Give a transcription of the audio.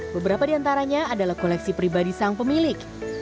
beberapa diantaranya adalah koleksi pribadi sang pemilik